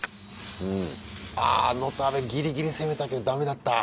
あノタベギリギリ攻めたけどだめだった。